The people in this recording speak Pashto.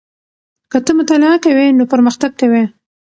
که ته مطالعه کوې نو پرمختګ کوې.